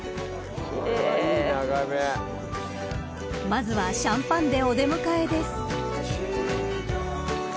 ［まずはシャンパンでお出迎えです］